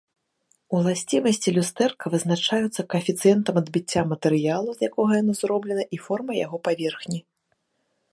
Уласцівасці люстэрка вызначаюцца каэфіцыентам адбіцця матэрыялу, з якога яно зроблена, і формай яго паверхні.